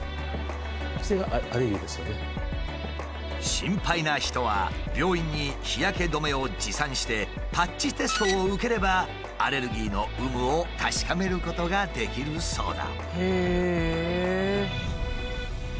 心配な人は病院に日焼け止めを持参してパッチテストを受ければアレルギーの有無を確かめることができるそうだ。